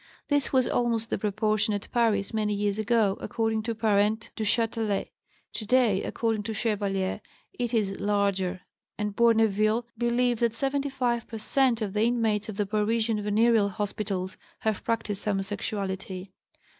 This was almost the proportion at Paris many years ago, according to Parent Duchâtelet; today, according to Chevalier, it is larger; and Bourneville believes that 75 per cent, of the inmates of the Parisian venereal hospitals have practised homosexuality.